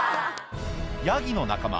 ヤギの仲間